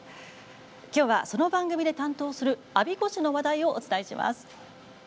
きょうはその番組で担当する我孫子市の話題をお伝えします。